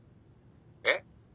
えっ？